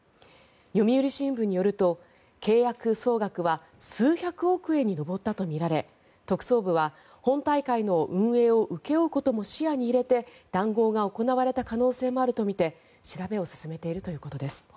読売新聞によると、契約総額は数百億円に上ったとみられ特捜部は本大会の運営を請け負うことも視野に入れて談合が行われた可能性もあるとみて調べを進めているということです。